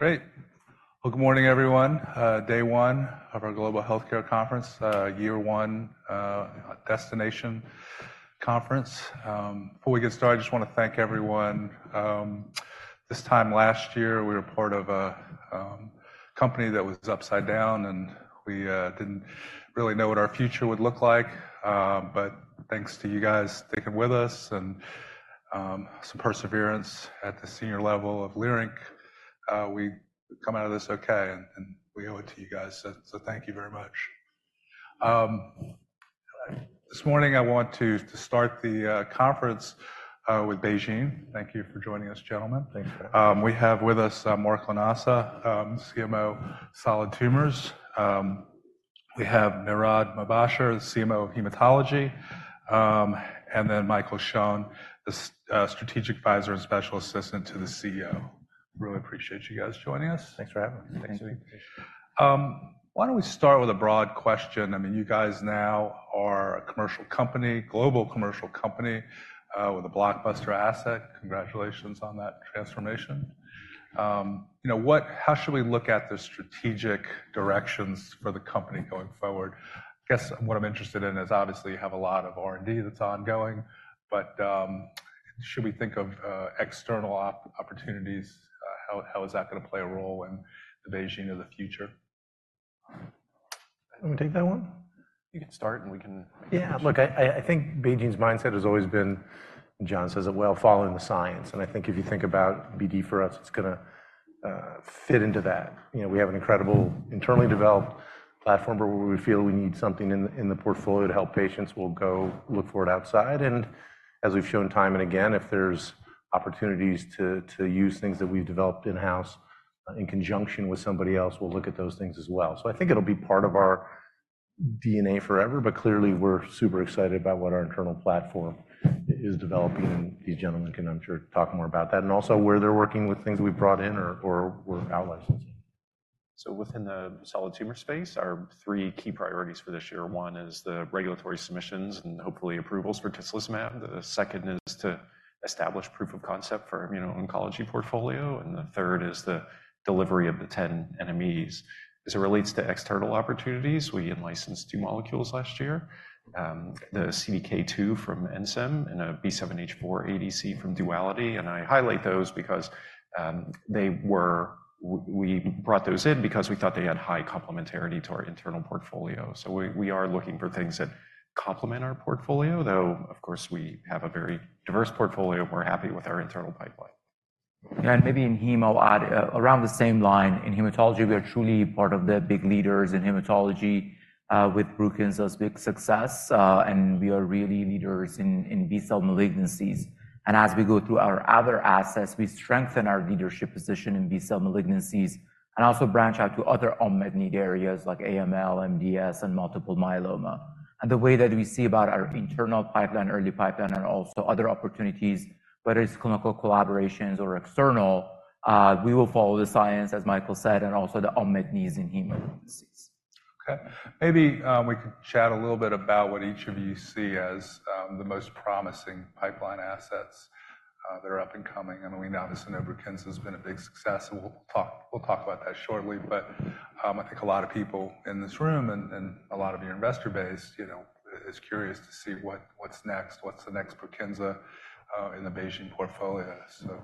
Great. Well, good morning, everyone. Day one of our global healthcare conference, year one, destination conference. Before we get started, I just want to thank everyone. This time last year, we were part of a company that was upside down, and we didn't really know what our future would look like. But thanks to you guys sticking with us and some perseverance at the senior level of Leerinc, we come out of this okay, and we owe it to you guys. So, thank you very much. This morning I want to start the conference with BeiGene. Thank you for joining us, gentlemen. Thanks, Brad. We have with us, Mark Lanasa, CMO Solid Tumors. We have Mehrdad Mobasher, CMO Hematology. And then Michael Schoen, the strategic advisor and special assistant to the CEO. Really appreciate you guys joining us. Thanks for having me. Thanks for the invitation. Why don't we start with a broad question? I mean, you guys now are a commercial company, global commercial company, with a blockbuster asset. Congratulations on that transformation. You know, what, how should we look at the strategic directions for the company going forward? I guess what I'm interested in is obviously you have a lot of R&D that's ongoing, but, should we think of, external opportunities? How, how is that going to play a role in the BeiGene of the future? You want to take that one? You can start and we can make it. Yeah, look, I think BeiGene's mindset has always been, and John says it well, following the science. And I think if you think about BD for us, it's going to fit into that. You know, we have an incredible internally developed platform where we feel we need something in the portfolio to help patients. We'll go look for it outside. And as we've shown time and again, if there's opportunities to use things that we've developed in-house, in conjunction with somebody else, we'll look at those things as well. So I think it'll be part of our DNA forever, but clearly we're super excited about what our internal platform is developing. And these gentlemen can, I'm sure, talk more about that and also where they're working with things we've brought in or we're outlicensing. So within the solid tumor space, our three key priorities for this year, one is the regulatory submissions and hopefully approvals for tislelizumab. The second is to establish proof of concept for, you know, oncology portfolio. And the third is the delivery of the 10 NMEs. As it relates to external opportunities, we in-licensed two molecules last year, the CDK2 from Ensem and a B7H4 ADC from Duality. And I highlight those because we brought those in because we thought they had high complementarity to our internal portfolio. So we are looking for things that complement our portfolio, though, of course, we have a very diverse portfolio. We're happy with our internal pipeline. Yeah, and maybe in hemo add around the same line, in hematology, we are truly part of the big leaders in hematology, with BRUKINSA as big success. And we are really leaders in, in B-cell malignancies. And as we go through our other assets, we strengthen our leadership position in B-cell malignancies and also branch out to other unmet need areas like AML, MDS, and multiple myeloma. And the way that we see about our internal pipeline, early pipeline, and also other opportunities, whether it's clinical collaborations or external, we will follow the science, as Michael said, and also the unmet needs in hemo malignancies. Okay. Maybe we could chat a little bit about what each of you see as the most promising pipeline assets that are up and coming. I mean, we know BRUKINSA has been a big success, and we'll talk about that shortly. But I think a lot of people in this room and a lot of your investor base, you know, is curious to see what what's next, what's the next BRUKINSA in the BeiGene portfolio. So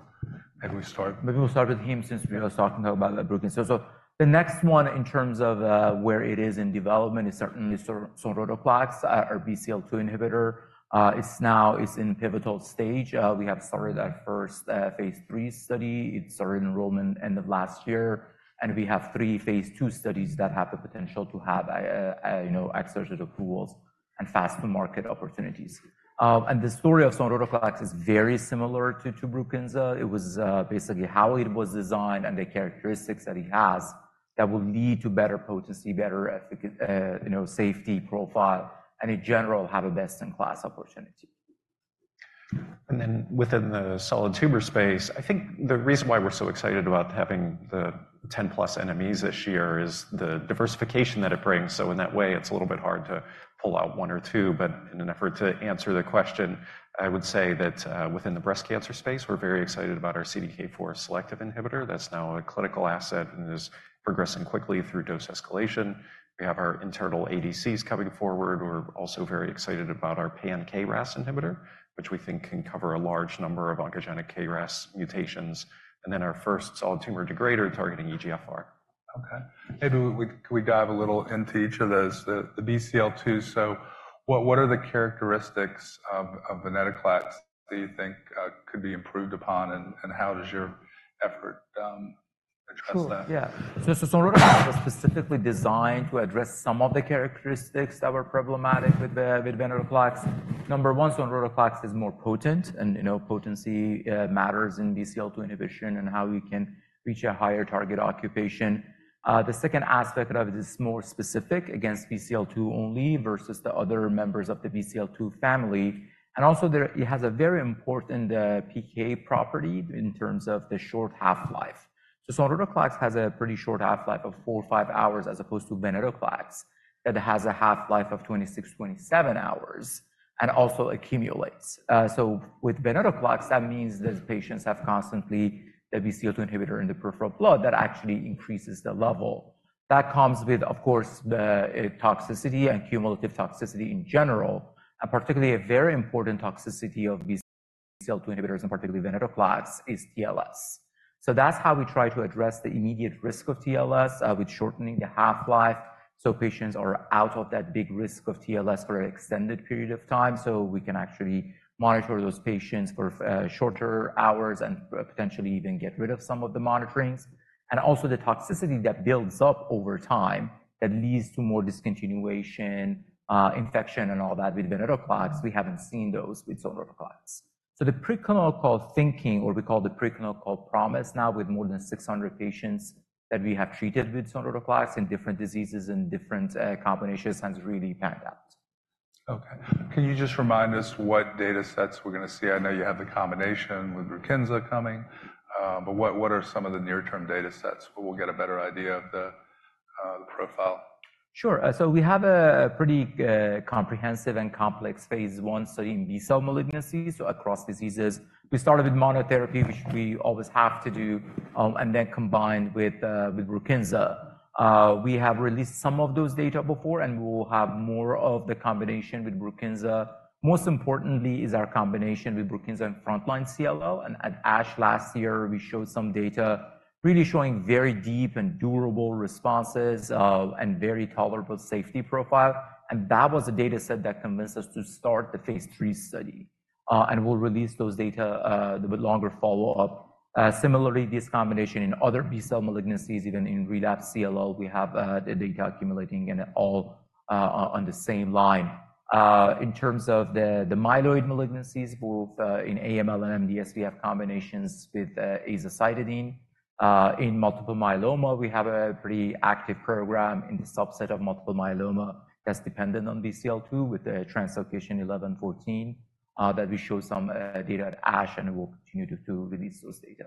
maybe we start. Maybe we'll start with him since we were talking about BRUKINSA. So, the next one in terms of where it is in development is certainly sonrotoclax, our BCL2 inhibitor. It's now in pivotal stage. We have started our first phase 3 study. It started enrollment end of last year. And we have three phase 2 studies that have the potential to have, you know, accelerated approvals and fast-to-market opportunities. And the story of sonrotoclax is very similar to BRUKINSA. It was basically how it was designed and the characteristics that it has that will lead to better potency, better efficacy, you know, safety profile, and in general have a best-in-class opportunity. Then within the solid tumor space, I think the reason why we're so excited about having the 10+ NMEs this year is the diversification that it brings. In that way, it's a little bit hard to pull out one or two. In an effort to answer the question, I would say that, within the breast cancer space, we're very excited about our CDK4 selective inhibitor. That's now a clinical asset and is progressing quickly through dose escalation. We have our internal ADCs coming forward. We're also very excited about our pan-KRAS inhibitor, which we think can cover a large number of oncogenic KRAS mutations. And then our first solid tumor degrader targeting EGFR. Okay. Maybe we dive a little into each of those, the BCL2. So what are the characteristics of venetoclax that you think could be improved upon and how does your effort address that? Cool. Yeah. So sonrotoclax was specifically designed to address some of the characteristics that were problematic with venetoclax. Number one, sonrotoclax is more potent and, you know, potency matters in BCL2 inhibition and how you can reach a higher target occupancy. The second aspect of it is more specific against BCL2 only versus the other members of the BCL2 family. And also there it has a very important PK property in terms of the short half-life. So sonrotoclax has a pretty short half-life of 4 or 5 hours as opposed to venetoclax that has a half-life of 26-27 hours and also accumulates. So with venetoclax, that means that patients have constantly the BCL2 inhibitor in the peripheral blood that actually increases the level. That comes with, of course, the toxicity and cumulative toxicity in general. Particularly a very important toxicity of BCL2 inhibitors and particularly venetoclax is TLS. So that's how we try to address the immediate risk of TLS, with shortening the half-life. So patients are out of that big risk of TLS for an extended period of time. So we can actually monitor those patients for shorter hours and potentially even get rid of some of the monitorings. And also the toxicity that builds up over time that leads to more discontinuation, infection and all that with venetoclax. We haven't seen those with sonrotoclax. So the preclinical thinking, or we call the preclinical promise now with more than 600 patients that we have treated with sonrotoclax in different diseases and different combinations has really panned out. Okay. Can you just remind us what data sets we're going to see? I know you have the combination with BRUKINSA coming, but what, what are some of the near-term data sets where we'll get a better idea of the, the profile? Sure. We have a pretty comprehensive and complex phase 1 study in B-cell malignancies, so across diseases. We started with monotherapy, which we always have to do, and then combined with BRUKINSA. We have released some of those data before and we will have more of the combination with BRUKINSA. Most importantly is our combination with BRUKINSA and frontline CLL. And at ASH last year, we showed some data really showing very deep and durable responses, and very tolerable safety profile. And that was a data set that convinced us to start the phase 3 study. We'll release those data, the longer follow-up. Similarly, this combination in other B-cell malignancies, even in relapsed CLL, we have the data accumulating and all on the same line. In terms of the myeloid malignancies, both in AML and MDS, we have combinations with azacitidine. In multiple myeloma, we have a pretty active program in the subset of multiple myeloma that's dependent on BCL2 with the translocation 1114, that we show some data at ASH and we'll continue to release those data.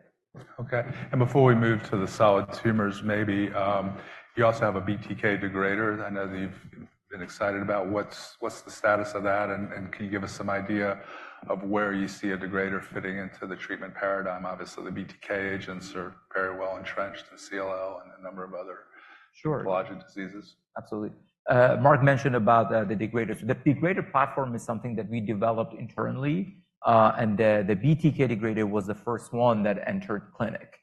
Okay. Before we move to the solid tumors, maybe, you also have a BTK degrader. I know that you've been excited about. What's the status of that? And can you give us some idea of where you see a degrader fitting into the treatment paradigm? Obviously, the BTK agents are very well entrenched in CLL and a number of other pathologic diseases. Sure. Absolutely. Mark mentioned about the degraders. The degrader platform is something that we developed internally. The BTK degrader was the first one that entered clinic.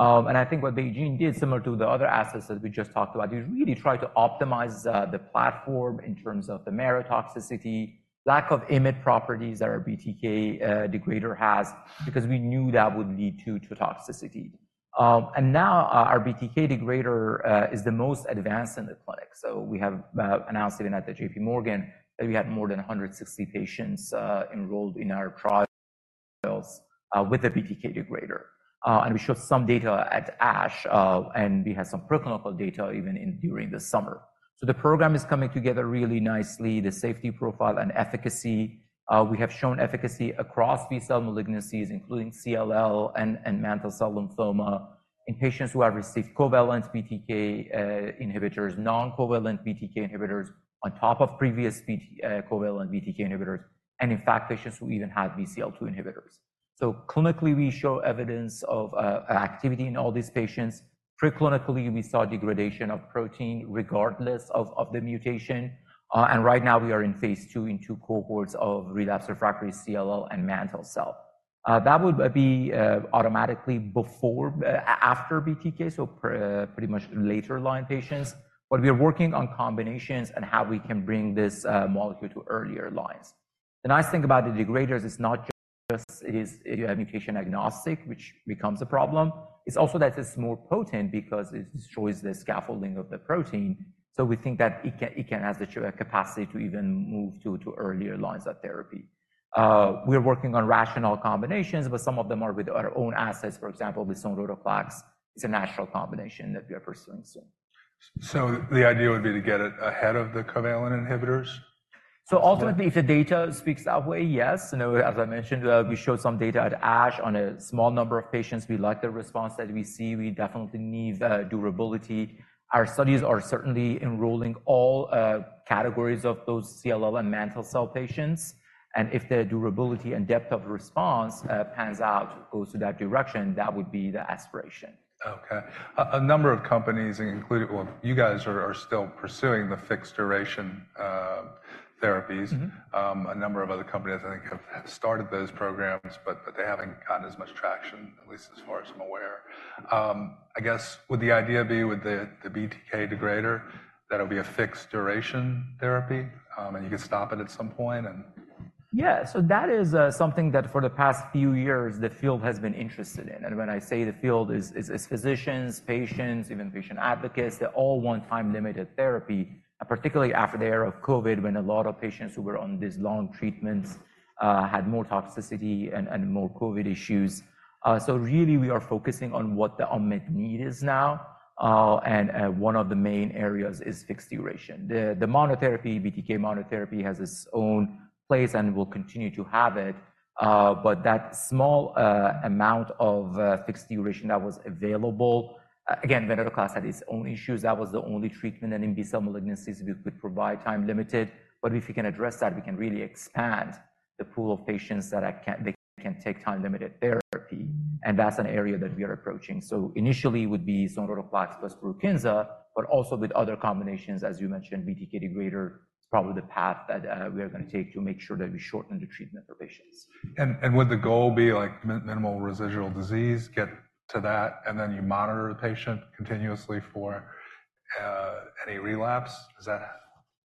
I think what BeiGene did, similar to the other assets that we just talked about, is really try to optimize the platform in terms of the myelotoxicity, lack of IMiD properties that our BTK degrader has, because we knew that would lead to toxicity. Now, our BTK degrader is the most advanced in the clinic. So we have announced even at the JPMorgan that we had more than 160 patients enrolled in our trials with the BTK degrader. We showed some data at ASH, and we had some preclinical data even in during the summer. So the program is coming together really nicely. The safety profile and efficacy, we have shown efficacy across B-cell malignancies, including CLL and mantle cell lymphoma, in patients who have received covalent BTK inhibitors, non-covalent BTK inhibitors on top of previous BTK covalent BTK inhibitors, and in fact, patients who even had BCL2 inhibitors. So clinically, we show evidence of activity in all these patients. Preclinically, we saw degradation of protein regardless of the mutation. And right now we are in phase two in two cohorts of relapsed refractory CLL and mantle cell. That would be automatically before, after BTK, so pretty much later line patients. But we are working on combinations and how we can bring this molecule to earlier lines. The nice thing about the degraders is not just it is, you know, mutation agnostic, which becomes a problem. It's also that it's more potent because it destroys the scaffolding of the protein. We think that it can have the capacity to even move to earlier lines of therapy. We are working on rational combinations, but some of them are with our own assets. For example, sonrotoclax is a natural combination that we are pursuing soon. The idea would be to get it ahead of the covalent inhibitors? So ultimately, if the data speaks that way, yes. You know, as I mentioned, we showed some data at ASH on a small number of patients. We like the response that we see. We definitely need durability. Our studies are certainly enrolling all categories of those CLL and mantle cell patients. And if the durability and depth of response pans out, goes to that direction, that would be the aspiration. Okay. A number of companies included, well, you guys are still pursuing the fixed duration therapies. A number of other companies, I think, have started those programs, but they haven't gotten as much traction, at least as far as I'm aware. I guess would the idea be with the BTK degrader, that it'll be a fixed duration therapy, and you could stop it at some point and? Yeah. So that is something that for the past few years, the field has been interested in. And when I say the field is physicians, patients, even patient advocates, they all want time-limited therapy, particularly after the era of COVID when a lot of patients who were on these long treatments had more toxicity and more COVID issues. So really we are focusing on what the unmet need is now, and one of the main areas is fixed duration. The monotherapy, BTK monotherapy has its own place and will continue to have it. But that small amount of fixed duration that was available, again, venetoclax had its own issues. That was the only treatment that in B-cell malignancies we could provide time-limited. But if we can address that, we can really expand the pool of patients that can take time-limited therapy. That's an area that we are approaching. Initially it would be sonrotoclax plus BRUKINSA, but also with other combinations, as you mentioned, BTK degrader is probably the path that we are going to take to make sure that we shorten the treatment for patients. Would the goal be like minimal residual disease, get to that, and then you monitor the patient continuously for any relapse? Is that?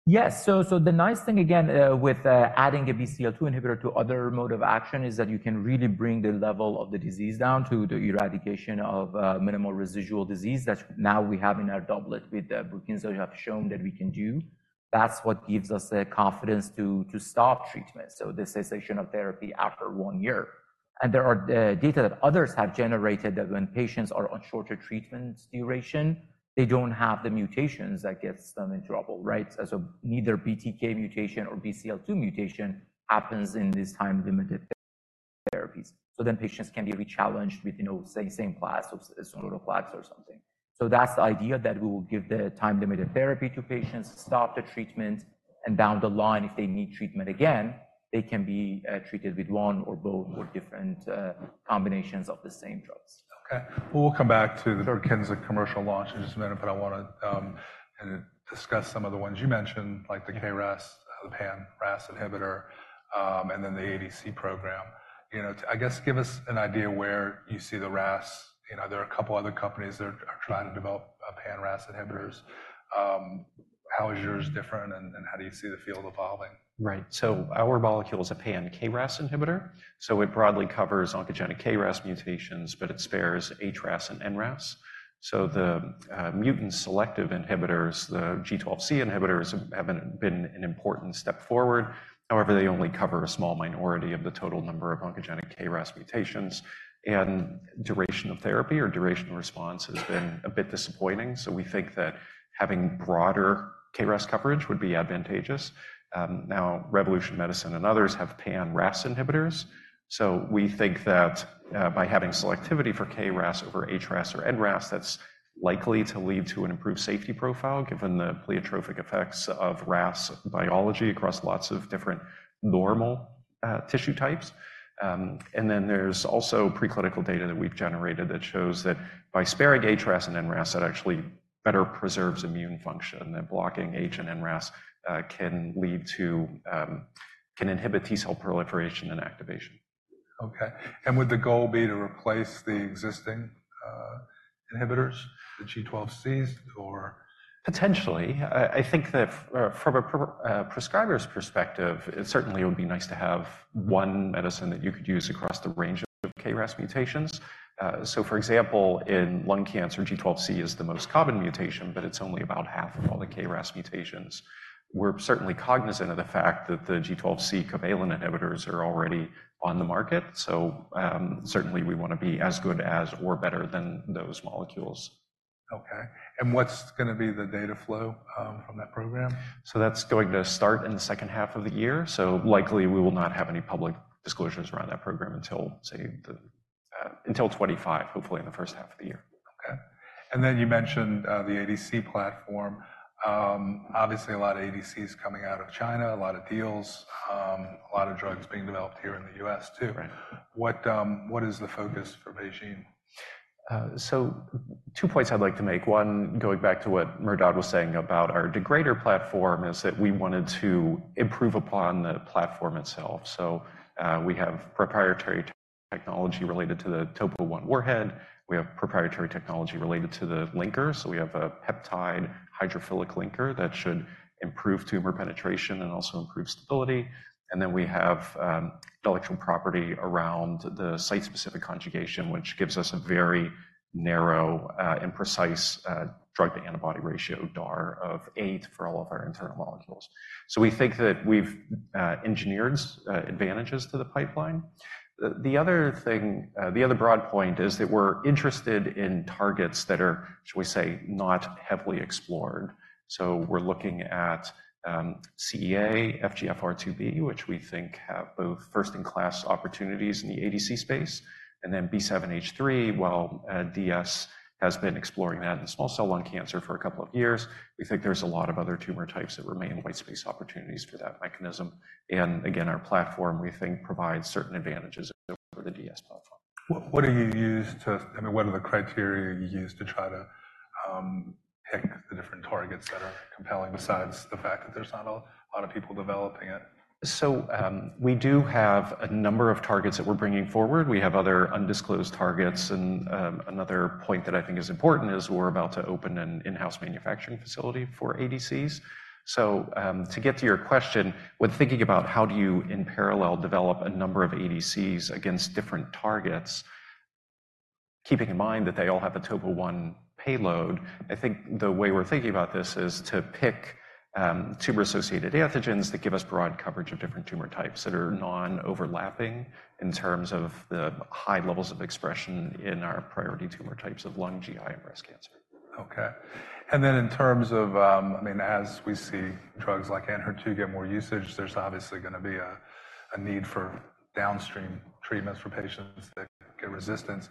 Yes. So the nice thing again, with adding a BCL2 inhibitor to other mode of action is that you can really bring the level of the disease down to the eradication of minimal residual disease that now we have in our doublet with BRUKINSA you have shown that we can do. That's what gives us the confidence to stop treatment, so the cessation of therapy after one year. And there are data that others have generated that when patients are on shorter treatment duration, they don't have the mutations that gets them in trouble, right? So neither BTK mutation or BCL2 mutation happens in these time-limited therapies. So then patients can be rechallenged with, you know, same class of sonrotoclax or something. That's the idea that we will give the time-limited therapy to patients, stop the treatment, and down the line, if they need treatment again, they can be treated with one or both or different combinations of the same drugs. Okay. Well, we'll come back to the BRUKINSA commercial launch in just a minute, but I want to, kind of discuss some of the ones you mentioned, like the KRAS, the pan-RAS inhibitor, and then the ADC program. You know, I guess give us an idea where you see the RAS. You know, there are a couple other companies that are trying to develop pan-RAS inhibitors. How is yours different and, and how do you see the field evolving? Right. So our molecule is a pan-KRAS inhibitor. So it broadly covers oncogenic KRAS mutations, but it spares HRAS and NRAS. So the mutant selective inhibitors, the G12C inhibitors, have been an important step forward. However, they only cover a small minority of the total number of oncogenic KRAS mutations. And duration of therapy or duration of response has been a bit disappointing. So we think that having broader KRAS coverage would be advantageous. Now Revolution Medicines and others have pan-RAS inhibitors. So we think that, by having selectivity for KRAS over HRAS or NRAS, that's likely to lead to an improved safety profile given the pleiotropic effects of RAS biology across lots of different normal tissue types. And then there's also preclinical data that we've generated that shows that by sparing HRAS and NRAS, that actually better preserves immune function. That blocking KRAS and NRAS can inhibit T-cell proliferation and activation. Okay. And would the goal be to replace the existing inhibitors, the G12Cs, or? Potentially. I think that from a prescriber's perspective, it certainly would be nice to have one medicine that you could use across the range of KRAS mutations. So for example, in lung cancer, G12C is the most common mutation, but it's only about half of all the KRAS mutations. We're certainly cognizant of the fact that the G12C covalent inhibitors are already on the market. So, certainly we want to be as good as or better than those molecules. Okay. What's going to be the data flow from that program? That's going to start in the second half of the year. Likely we will not have any public disclosures around that program until, say, until 2025, hopefully in the first half of the year. Okay. And then you mentioned the ADC platform. Obviously a lot of ADCs coming out of China, a lot of deals, a lot of drugs being developed here in the U.S. too. Right. What, what is the focus for BeiGene? Two points I'd like to make. One, going back to what Mehrdad was saying about our degrader platform, is that we wanted to improve upon the platform itself. We have proprietary technology related to the TOPO-1 warhead. We have proprietary technology related to the linker. We have a peptide hydrophilic linker that should improve tumor penetration and also improve stability. And then we have intellectual property around the site-specific conjugation, which gives us a very narrow, precise, drug-to-antibody ratio, DAR, of 8 for all of our internal molecules. We think that we've engineered advantages to the pipeline. The other thing, the other broad point, is that we're interested in targets that are, shall we say, not heavily explored. So we're looking at CEA, FGFR2B, which we think have both first-in-class opportunities in the ADC space, and then B7H3, while DS has been exploring that in small cell lung cancer for a couple of years. We think there's a lot of other tumor types that remain white space opportunities for that mechanism. And again, our platform, we think, provides certain advantages over the DS platform. What, I mean, what are the criteria you use to try to pick the different targets that are compelling besides the fact that there's not a lot of people developing it? So, we do have a number of targets that we're bringing forward. We have other undisclosed targets. And another point that I think is important is we're about to open an in-house manufacturing facility for ADCs. So, to get to your question, when thinking about how do you in parallel develop a number of ADCs against different targets, keeping in mind that they all have a TOPO-1 payload, I think the way we're thinking about this is to pick tumor-associated antigens that give us broad coverage of different tumor types that are non-overlapping in terms of the high levels of expression in our priority tumor types of lung, GI, and breast cancer. Okay. And then in terms of, I mean, as we see drugs like Enhertu get more usage, there's obviously going to be a need for downstream treatments for patients that get resistance.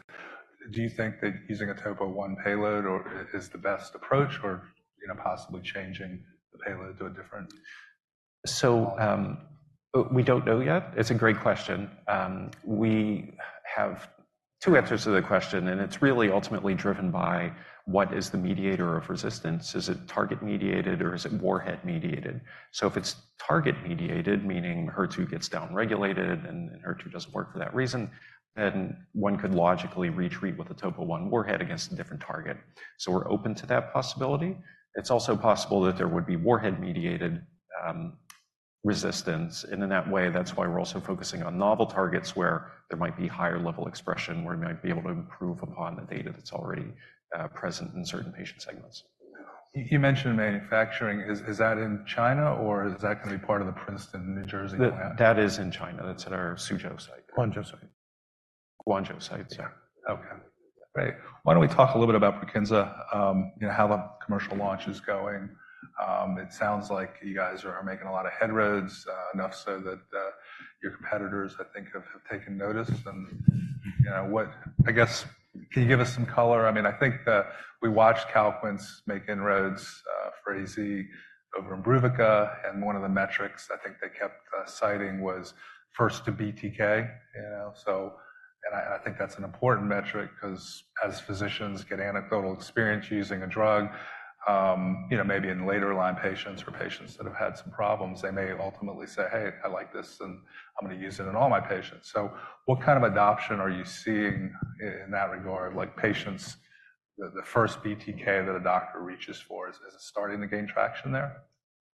Do you think that using a TOPO-1 payload or is the best approach, or, you know, possibly changing the payload to a different model? So, we don't know yet. It's a great question. We have two answers to the question, and it's really ultimately driven by what is the mediator of resistance? Is it target-mediated or is it warhead-mediated? So if it's target-mediated, meaning HER2 gets downregulated and HER2 doesn't work for that reason, then one could logically retreat with a TOPO-1 warhead against a different target. So we're open to that possibility. It's also possible that there would be warhead-mediated resistance. And in that way, that's why we're also focusing on novel targets where there might be higher-level expression, where we might be able to improve upon the data that's already present in certain patient segments. You mentioned manufacturing. Is that in China or is that going to be part of the Princeton, New Jersey plant? That is in China. That's at our Suzhou site. Guangzhou site? Guangzhou site, yeah. Okay. Great. Why don't we talk a little bit about BRUKINSA, you know, how the commercial launch is going? It sounds like you guys are making a lot of inroads, enough so that your competitors, I think, have taken notice. And, you know, what, I guess, can you give us some color? I mean, I think we watched Calquence make inroads for AZ over Imbruvica. And one of the metrics I think they kept citing was first to BTK, you know? So, and I think that's an important metric because as physicians get anecdotal experience using a drug, you know, maybe in later line patients or patients that have had some problems, they may ultimately say, "Hey, I like this and I'm going to use it in all my patients." So what kind of adoption are you seeing in that regard? Like patients, the first BTK that a doctor reaches for is it starting to gain traction there?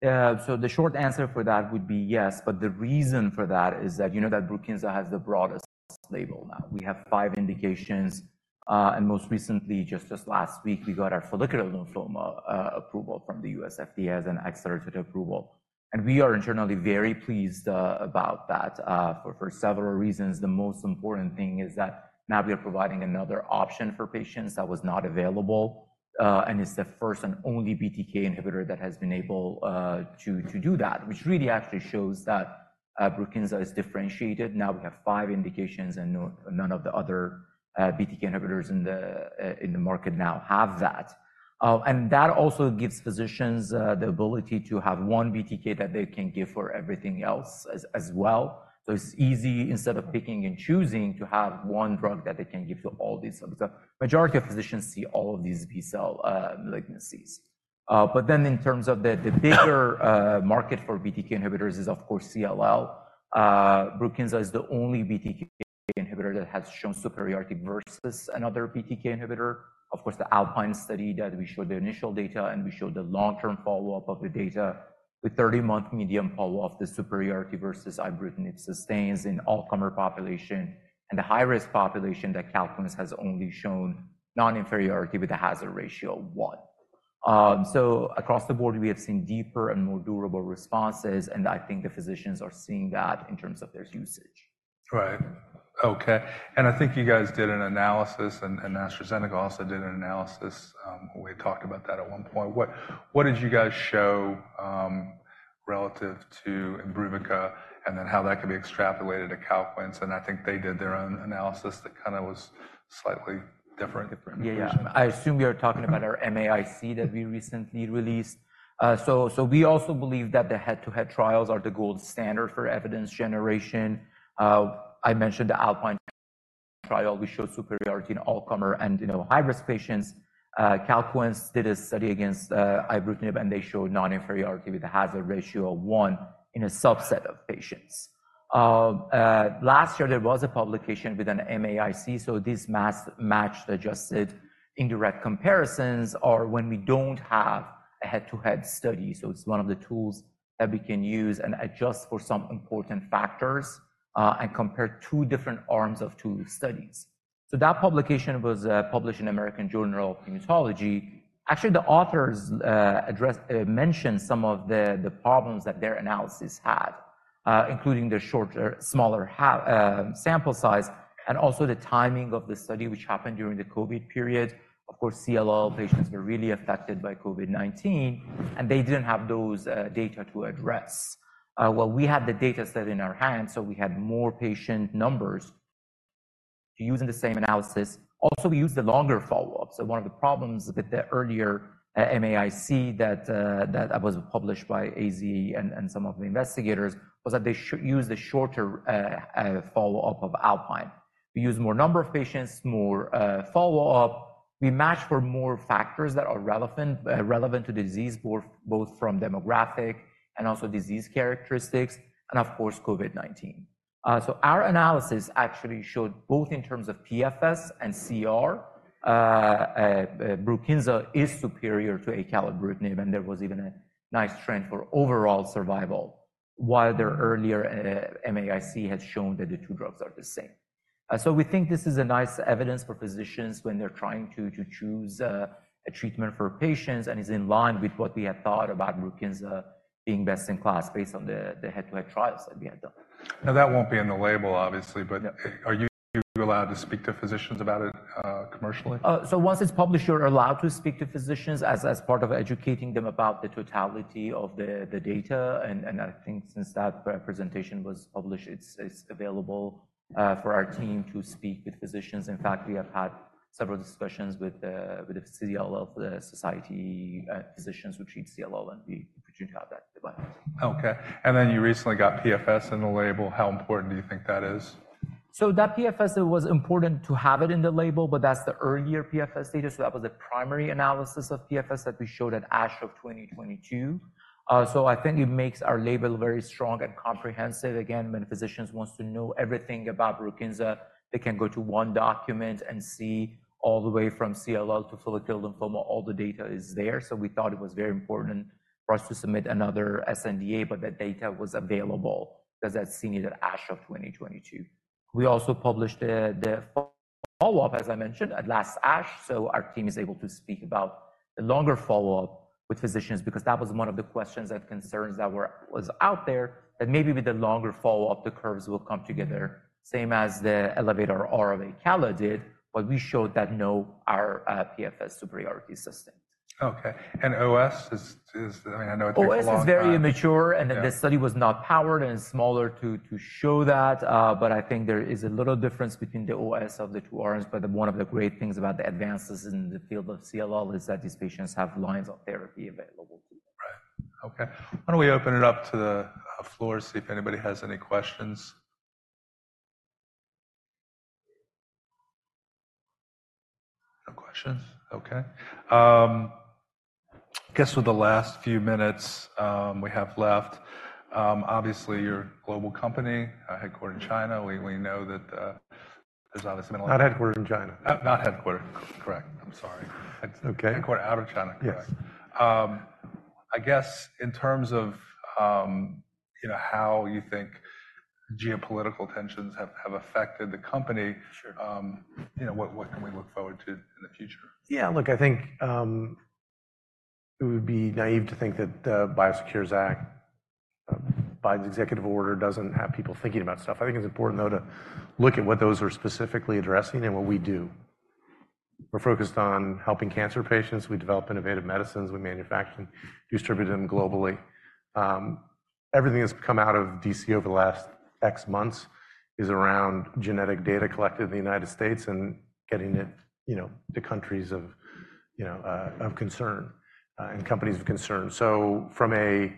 Yeah. So the short answer for that would be yes. But the reason for that is that, you know, that BRUKINSA has the broadest label now. We have five indications. And most recently, just last week, we got our follicular lymphoma approval from the U.S. FDA as an accelerated approval. And we are internally very pleased about that for several reasons. The most important thing is that now we are providing another option for patients that was not available, and it's the first and only BTK inhibitor that has been able to do that, which really actually shows that BRUKINSA is differentiated. Now we have five indications and none of the other BTK inhibitors in the market now have that. And that also gives physicians the ability to have one BTK that they can give for everything else as well. So it's easy instead of picking and choosing to have one drug that they can give to all these subjects. The majority of physicians see all of these B-cell malignancies. But then in terms of the bigger market for BTK inhibitors is, of course, CLL. BRUKINSA is the only BTK inhibitor that has shown superiority versus another BTK inhibitor. Of course, the ALPINE study that we showed the initial data and we showed the long-term follow-up of the data with 30-month median follow-up, the superiority versus ibrutinib sustains in all tumor population and the high-risk population that Calquence has only shown non-inferiority with a hazard ratio of one. So across the board, we have seen deeper and more durable responses. And I think the physicians are seeing that in terms of their usage. Right. Okay. And I think you guys did an analysis and AstraZeneca also did an analysis. We had talked about that at one point. What did you guys show, relative to Imbruvica and then how that could be extrapolated to Calquence? And I think they did their own analysis that kind of was slightly different. Yeah. I assume you're talking about our MAIC that we recently released. So we also believe that the head-to-head trials are the gold standard for evidence generation. I mentioned the ALPINE trial. We showed superiority in all tumor and, you know, high-risk patients. Calquence did a study against ibrutinib and they showed non-inferiority with a hazard ratio of 1 in a subset of patients. Last year there was a publication with an MAIC. So these matching-adjusted indirect comparisons are when we don't have a head-to-head study. So it's one of the tools that we can use and adjust for some important factors, and compare two different arms of two studies. So that publication was published in American Journal of Hematology. Actually, the authors mentioned some of the problems that their analysis had, including the smaller sample size and also the timing of the study, which happened during the COVID period. Of course, CLL patients were really affected by COVID-19 and they didn't have those data to address. Well, we had the data set in our hands, so we had more patient numbers to use in the same analysis. Also, we used the longer follow-ups. So one of the problems with the earlier MAIC that was published by AZ and some of the investigators was that they used the shorter follow-up of ALPINE. We used more number of patients, more follow-up. We matched for more factors that are relevant to disease, both from demographic and also disease characteristics and, of course, COVID-19. So our analysis actually showed both in terms of PFS and CR, BRUKINSA is superior to acalabrutinib. And there was even a nice trend for overall survival while their earlier MAIC had shown that the two drugs are the same. So we think this is nice evidence for physicians when they're trying to choose a treatment for patients and is in line with what we had thought about BRUKINSA being best-in-class based on the head-to-head trials that we had done. Now that won't be in the label, obviously, but are you allowed to speak to physicians about it, commercially? Once it's published, you're allowed to speak to physicians as part of educating them about the totality of the data. And I think since that presentation was published, it's available for our team to speak with physicians. In fact, we have had several discussions with the CLL society physicians who treat CLL and the opportunity to have that debate. Okay. And then you recently got PFS in the label. How important do you think that is? So that PFS, it was important to have it in the label, but that's the earlier PFS data. So that was the primary analysis of PFS that we showed at ASH 2022. So I think it makes our label very strong and comprehensive. Again, when a physician wants to know everything about BRUKINSA, they can go to one document and see all the way from CLL to follicular lymphoma. All the data is there. So we thought it was very important for us to submit another sNDA, but that data was available because that's from the ASH 2022. We also published the follow-up, as I mentioned, at last ASH. So our team is able to speak about the longer follow-up with physicians because that was one of the questions and concerns that was out there that maybe with the longer follow-up, the curves will come together, same as the ELEVATE-RR of acalabrutinib did, but we showed that no, our PFS superiority sustained. Okay. And OS is, I mean, I know it takes a long time. OS is very immature, and that the study was not powered and smaller to show that. But I think there is a little difference between the OS of the two RNs. But one of the great things about the advances in the field of CLL is that these patients have lines of therapy available too. Right. Okay. Why don't we open it up to the floor to see if anybody has any questions? No questions? Okay. I guess with the last few minutes we have left, obviously you're a global company, headquartered in China. We know that, there's obviously been a lot. Not headquartered in China. Not headquartered. Correct. I'm sorry. Okay. Headquartered out of China. Correct. I guess in terms of, you know, how you think geopolitical tensions have affected the company. Sure. You know, what, what can we look forward to in the future? Yeah. Look, I think it would be naive to think that the BIOSECURE Act, Biden's executive order doesn't have people thinking about stuff. I think it's important, though, to look at what those are specifically addressing and what we do. We're focused on helping cancer patients. We develop innovative medicines. We manufacture, distribute them globally. Everything that's come out of D.C. over the last X months is around genetic data collected in the United States and getting it, you know, to countries of, you know, of concern, and companies of concern. So from a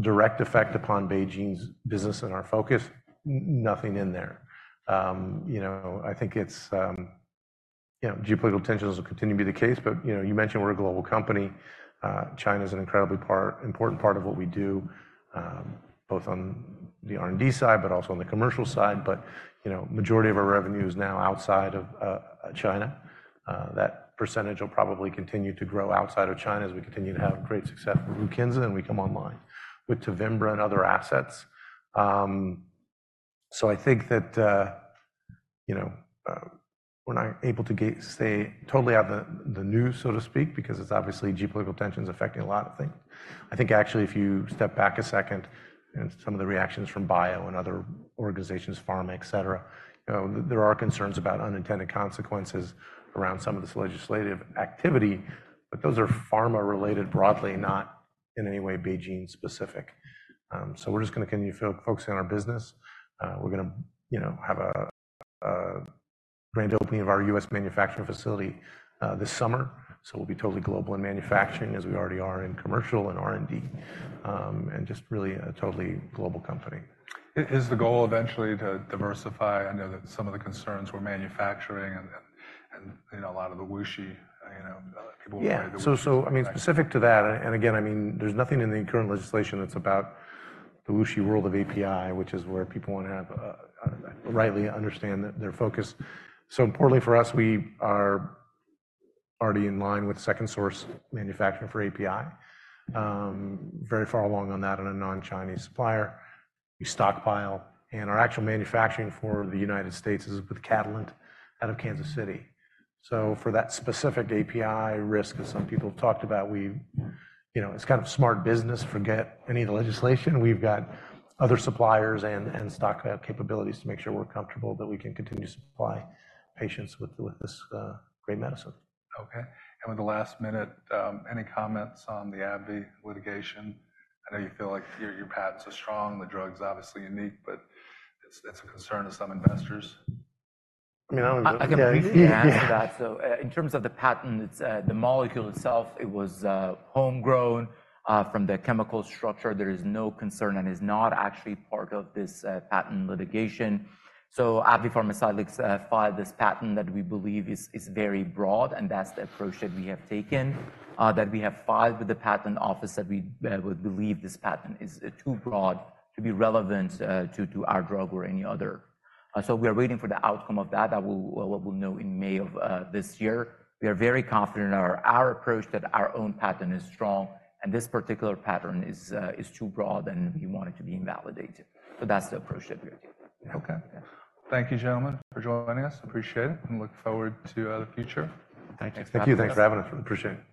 direct effect upon BeiGene's business and our focus, nothing in there. You know, I think it's, you know, geopolitical tensions will continue to be the case. But, you know, you mentioned we're a global company. China is an incredibly important part of what we do, both on the R&D side, but also on the commercial side. But, you know, majority of our revenue is now outside of China. That percentage will probably continue to grow outside of China as we continue to have great success with BRUKINSA and we come online with TEVIMBRA and other assets. So I think that, you know, we're not able to gonna stay totally out of the news, so to speak, because it's obviously geopolitical tensions affecting a lot of things. I think actually if you step back a second and some of the reactions from BIO and other organizations, pharma, et cetera, you know, there are concerns about unintended consequences around some of this legislative activity, but those are pharma-related broadly, not in any way BeiGene-specific. So we're just going to continue focusing on our business. We're going to, you know, have a grand opening of our U.S. manufacturing facility this summer. So we'll be totally global in manufacturing as we already are in commercial and R&D, and just really a totally global company. Is the goal eventually to diversify? I know that some of the concerns were manufacturing and you know, a lot of the wishy-washy, you know, people worried that. Yeah. So, I mean, specific to that, and again, I mean, there's nothing in the current legislation that's about the wishy-washy world of API, which is where people want to have, rightly understand that their focus. So importantly for us, we are already in line with second source manufacturing for API, very far along on that and a non-Chinese supplier. We stockpile and our actual manufacturing for the United States is with Catalent out of Kansas City. So for that specific API risk that some people have talked about, we, you know, it's kind of smart business, forget any of the legislation. We've got other suppliers and stockpile capabilities to make sure we're comfortable that we can continue to supply patients with this, great medicine. Okay. And with the last minute, any comments on the AbbVie litigation? I know you feel like your, your patents are strong. The drug's obviously unique, but it's, it's a concern to some investors. I mean, I was. I can briefly add to that. So in terms of the patent, it's the molecule itself. It was homegrown from the chemical structure. There is no concern and it is not actually part of this patent litigation. So AbbVie Pharmaceuticals filed this patent that we believe is very broad. And that's the approach that we have taken, that we have filed with the patent office that we would believe this patent is too broad to be relevant to our drug or any other. So we are waiting for the outcome of that. That will, what we'll know in May of this year. We are very confident in our approach that our own patent is strong and this particular patent is too broad and we want it to be invalidated. So that's the approach that we are taking. Okay. Thank you, gentlemen, for joining us. Appreciate it and look forward to the future. Thank you. Thank you. Thanks for having us. Appreciate.